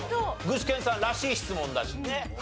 具志堅さんらしい質問だしね。